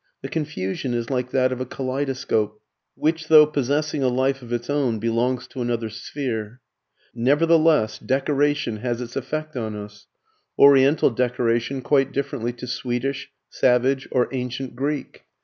The confusion is like that of a kaleidoscope, which though possessing a life of its own, belongs to another sphere. Nevertheless, decoration has its effect on us; oriental decoration quite differently to Swedish, savage, or ancient Greek.